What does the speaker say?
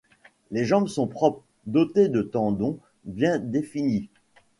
Les jambes sont propres, dotées de tendons bien définis.